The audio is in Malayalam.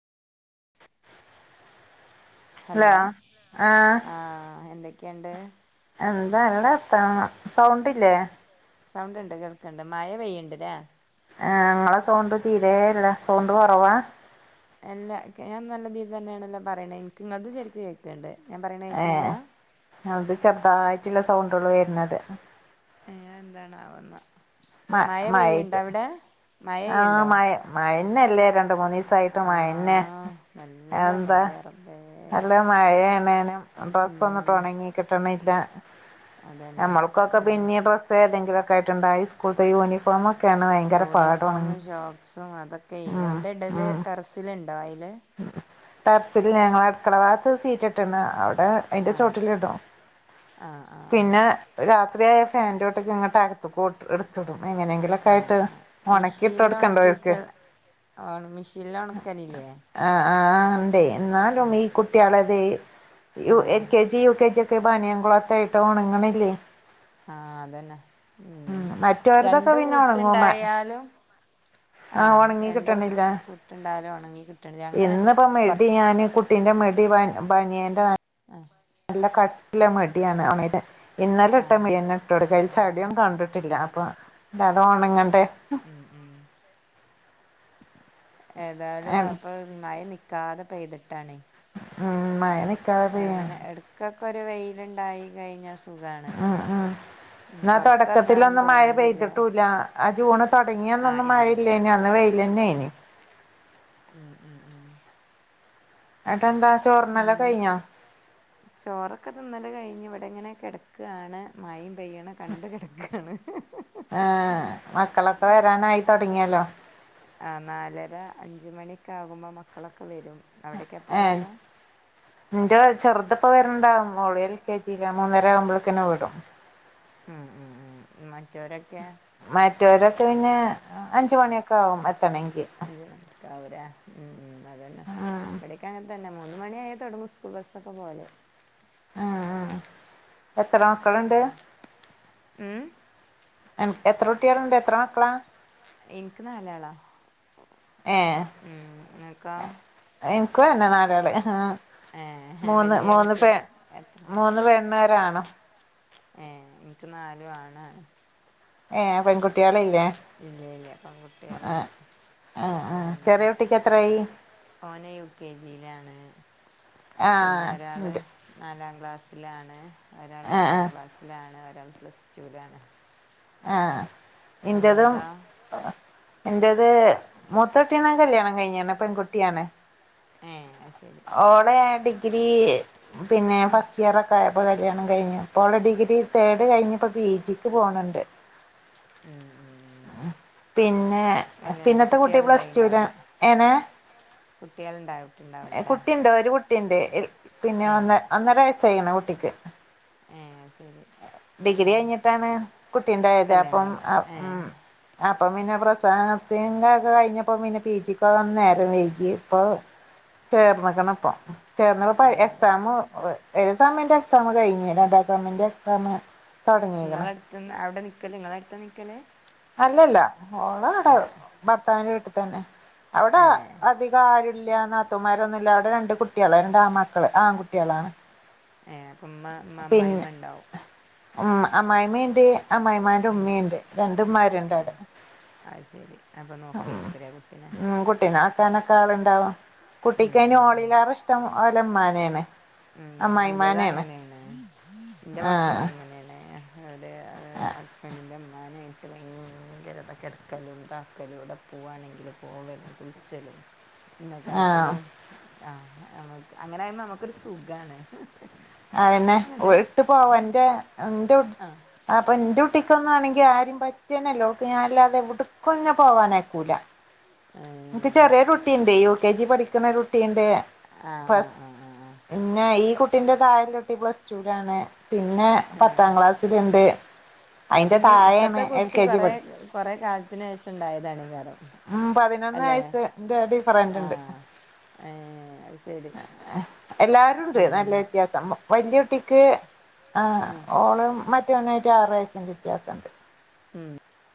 ഹലോ ആഹ് ആ എന്തൊക്കെയുണ്ട്? എന്താല്ല [unintelligible] സൗണ്ടില്ലേ? സൗണ്ട് ഉണ്ട്. കേൾക്കണ്ട്. മഴ പെയ്യുണ്ട്ല്ലേ? ആ ഇങ്ങളെ സൗണ്ട് തീരെ ഇല്ല. സൗണ്ട് കുറവാ. എല്ലാ ഞാൻ നല്ല രീതിൽ തന്നെയാണല്ലോ പറയണേ. എനിക്ക ഇങ്ങക്ക് ശെരിക്ക് കേൾക്കണ്ട്. ഞാൻ പറയണ കേൾക്കണില്ല. ഏഹ് അത് ചെറുതായിട്ടുള്ള സൗണ്ടള് വരുന്നത്. എന്താണാവോന്ന, മഴ പെയ്യുണ്ട അവിടെ? മഴ ആഹ പെയ്യ്ണ്ടോ മയ, മയ ന്നല്ലേ രണ്ട്‌ മൂന്ന് സം. സായിട്ട് മഴന്നെ. ആഹ് നല്ല എന്താ മഴ റബ്ബേ നല്ല മഴേണേനും. ഡ്രസ്സ് ഒന്ന ട്ട ഉം ഉണങ്ങി കിട്ടണില്ല. അതന്നെ നമ്മൾക്കൊക്കെ നല്ല പിന്നീ ഡ്രസ് ഏതെങ്കിലുമൊക്കെ ആയിട്ടുണ്ടായി. സ്കൂള് ത്തെ യൂണഫോമൊക്കെയാണ് ഭയങ്കര പാട്. ഫോമും ഷോക്സും അതൊക്കെയ് എവിടെ ഇടല്. ടെറസ്സിലുണ്ടോ അയില്. ഉ ടെർസില് ഞങ്ങ അടുക്കള ഭാഗത്ത് സീറ്റിട്ടന്ന്. അവിടെ, അയിന്റെ ആഹ് ചോട്ടില ഇടും. ആഹ് ആഹ് ആഹ് പിന്നെ രാത്രിയായ ഫാൻന്റെ തോട്ടൊക്കെ ഇങ്ങട്ട് അകത്തക്ക എടുത്തിടും, എങ്ങനെങ്കിലും ആഹ് ആ. മെഷീനൽ ഓർക്ക് ഉണക്കിയിട്ട്, മെഷീനൽ ഉണക്കലില്ലേ? ആഹ് ആ ണ്ടേ. എന്നാലും ആഹ് ഈ കുട്ടികളത് എൽ ആഹ് K G G, U K G ഒക്കെ ബനയകുളൊത്ത ആയിട്ട് ഉണങ്ങണില്ലേ. ആഹ അതന്നെ, ഉം. മറ്റവരതൊക്കെ രണ്ട്‌ പിന്നെ ഉണങ്ങും മ കൂട്ടുണ്ടായാലും, ആ ആഹ ഉണങ്ങി രണ്ടും കൂട്ടുണ്ടാലും ഉണങ്ങി കിട്ട ഇന്നിപ്പോ മെടി ഞാന്, കുട്ടീന്റാ മെടി ബ ബനിയേന്റാ ആഹ നല്ല കട്ടിയിള്ള മെടിയാണ് [unintelligible] ടെ ഇന്നല ഇട്ട ആഹ് മെടി ന്നെ ഇട്ട കൊടുക്ക. ആഹ് അതിൽ ചളിയും ആഹ് കണ്ടിട്ടില്ല. അപ്പൊ അത് ഒണങ്ങണ്ടേ. ഉം ഉം. ഏതായാലും ഉം അപ്പൊ മഴ നി ക്കാതെ പെയ്തിട്ടാണ്. ആ മഴന്നെ അങ്ങനെ എടക്കൊക്കെ ഒരു വെയിലുണ്ടായി കഴിഞ്ഞ സുഖാണ് ഉം ന്നാ പൊറത്തിറങ്ങാനും തുടക്കത്തിലൊന്നും മഴ തോന്നണില്ല പെയ്തിട്ടൂല്ല്യാ ആ ജൂണ് ആഹ് തുടങ്ങിയന്നൊന്നും ഇല്ല ഇല്ല മഴയില്ലേന്നു ഇന്ന് വെയില്ലന്നെയിര്ന്ന് മ് മ് മ് അന്നിട്ടന്താ മ് ചോറൊക്കെ തിന്നല് കഴിഞ്ഞു ഇവിടെ ഇങ്ങനെ കിടക്കാണ് മഴയും പെയ്യണ്‌ കണ്ട് കിടയ്ക്കാണ് ആഹ് മക്കളൊക്കെ വരാനായി തുടങ്ങിയല്ലോ ആഹ് നാലര അഞ്ച് മണിയൊക്കെ ആവുമ്പോൾ മക്കളൊക്കെ വരും അവിടെ ഏഹ് ഇന്റെ ചെറുത് ഇപ്പോ വരണ്ടാവും ഓള് എ ൽ കെ ജിയിലാ മൂന്നര ആവുമ്പോളേക്കന്നെ വിടും മ് മ് മ് മറ്റൊരെക്കെ മറ്റൊരെക്കെ പിന്നെ അഞ്ചുമണിയൊക്കെ ആകും എത്താണെങ്കി അഞ്ചുമണിക്കെ ആവൂലെ മ് മ് അതന്നെ ഇവിടൊക്കെ അങ്ങൻതന്നെ മൂന്ന് മണിയായ തുടങ്ങും സ് സ്കൂൾബസ്സൊക്കെ പോലെ ആഹ് ആഹ് എത്ര മക്കളുണ്ട് ഉം അന് എത്ര കുട്ടികളുണ്ട് എത്ര മക്കളാ ഇനിക്ക് നാലാളാ മ് ഇങ്ങക്കൊ എനികും അതന്നെ നാലാള് ആഹ് ഏ മൂന്ന് വലിയ മൂന്ന് കുട്ടി പെൺ എത്ര മൂന്ന് പെണ്ണും ഒരാണും ഏഹ് എനിക്ക് നാലും ആണാണ് ഏഹ് പെൺകുട്ടികളില്ലേ ഇല്ല ഇല്ല ആഹ് പെൺകുട്ടികളില്ല ആഹ് ആഹ് ഉം ചെറിയ കുട്ടിക്ക് എത്രായി ഓന് യു കെ ജിയിലാണ് പിന്നെ ആഹ് ഒരാള് ഇണ്ട് നാലാം ക്ലാസ്സിലാണ് ഒരാള് ആഹ് എട്ടാം ആഹ് ക്ലാസ്സിലാണ് ഒരാൾ പ്ലസ്ടുലാണ് ആഹ് ഇന്റതും ഞങ്ങൾതാ ഇന്റത് മൂത്തോട്ടിയാണ്‌ കല്യാണം കഴിഞ്ഞാണ് പെൺകുട്ടിയാണ് ഏ അത് ശരി ഓളെ ഡിഗ്രി പിന്നെ ഫസ്റ്റ് ഇയർ ക്കെ ആയപ്പോ കല്യാണം കഴിഞ്ഞു ഇപ്പോ ഓള് ഡിഗ്രി തേർഡ് കഴിഞ്ഞപ്പോ പി ജിക്ക് പോണുണ്ട് മ് മ് പിന്നെ കല്യാണം പിന്നത്തെ കുട്ടി കുട്ടികൾ പ്ലസ്റ്റുലാ ഉണ്ടായിണ്ടാവില്ല ഏനെ കുട്ടികൾ ഉണ്ടായിട്ടുണ്ടാവില്ലല്ലേ കുട്ടിണ്ട് ഒരു കുട്ടിണ്ട് എൽ പിന്നെ ഏ വന്ന ഒന്നര വയസ്സായിക്ക്ണ് കുട്ടിക്ക് ഏ അത് ശരി ഡിഗ്രി ഉം കഴിഞ്ഞിട്ടാണ് കുട്ടിണ്ടായത് കല്യാണം അപ്പോമ് കഴിച്ച് ഏ ആഹ് അപ്പൊ പിന്നെ പ്രസവം നിർത്തിയതിന്റ ഒക്കെ കഴിഞ്ഞപ്പോ പിന്നെ പി ജിക്ക് പോവാൻ നേരം വൈകി ഇപ്പൊ ചേർന്ന്ക്ക്ണ് പ്പൊ ചേർന്നപ്പോ ഏ എക്സാം ഒരു സെമിന്റെ എക്സാം കഴിഞ്ഞി രണ്ടാം സെമിന്റെ എക്സാമ് ഇങ്ങളെ അടുത്ത്‌ന്ന് അവിടെ നിക്കല് ഇങ്ങള് അടുത്ത നിക്കല് അല്ലല്ല ഓള് അവിടെ ആ ഭർത്താവിന്റെ വീട്ടിൽ തന്നെ അവിടെ ഏ അതികാരൂല്ല്യാ നാത്തൂമാരൊന്നുല്ല അവിടെ രണ്ട് കുട്ടികളാ രണ്ടാ മക്കള് ആൺകുട്ടികളാണ് ഏഹ് അപ്പം ഉമ്മ മ്മ അമ്മായിമ്മ ഉണ്ടാവും ഉം അമ്മായിമിംണ്ട് അമ്മായിമ്മാന്റെ ഉമ്മയുണ്ട് രണ്ട് ഉമ്മാരുണ്ട് ഏ അവിടെ അത് ശെരി അപ്പൊ നോക്കായിരിക്കൂല്ലേ കുട്ടിനെ മ്മ് കുട്ടിനെ ആക്കാനൊക്കെ ആളുണ്ടാവും ഉം കുട്ടിക്കയിന് ഉം ഉം ഓളിലാറെ ഇഷ്ടം ഓലെ മ്മാനെണ് മ്മ് ഇന്റെത് അങ്ങനെന്നെ ന്റെ മക്കൾ ആഹ് അങ്ങനെന്നെ അവിടെ ആഹ് ഹസ്ബൻഡിന്റെ ഉമ്മാനെ ഭയങ്കര ഇതാ കിടക്കലും ഇതാക്കലും എവിടെ പോവാണെങ്കില് പോവലും കുളിച്ചലും ആഹ് ന്നെക്കാട്ടിലും ആഹ് ഞമ്മക്ക് അങ്ങനെ നമ്മക്കൊരു സുഖാണ് ആയ്ന്നെ ഒ എട്ട് പോവന്റേ എൻ്റൊ ആഹ് അപ്പൻ്റുട്ടിക്ക് ഒന്നാണെങ്കി ആരിം പറ്റെന്നല്ല ഓക്ക് ഞാൻല്ലാതെ എവ്ട്ക്കും ന്നെ പോവാനയ്ക്കൂല. ആഹ് ഇൻക്ക് ചെറ്യേ കുട്ടിണ്ട് യു കെ ജീ പഠിക്കിണൊ ഒരുട്ടീണ്ട് ആ ആ പ്ലസ് ആ ആ പിന്നേ ഈ കുട്ടിന്റെ തായെലൂട്ടി പ്ലസ് ടൂലാണ് പിന്നേ പത്താം ക്ലാസ്സിലിണ്ട്. അപീ ഇപ്പത്തെ കുട്ടി ജി കൊറേ പഠി കൊറേ കാൽത്തിനേഷം ഇണ്ടായതാണേകാരം ഉം പതിനൊന്നയ്സ് ഇന്റ ഡിഫറന്റിണ്ട്. ആഹ് ഏഹ് അയ് അഹ് എല്ലാരുണ്ട് നല്ല വ്യത്യാസം മ വല്ല്യുട്ടിക്ക് ആഹ് ഓളും മാറ്റോനായിട്ട് ആറ് വെയ്സ്സിൻ്റെ വ്യത്യാസണ്ട്. ഉം